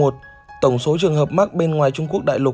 tổng số trường hợp mắc bên ngoài trung quốc đại lục năm trăm hai mươi bốn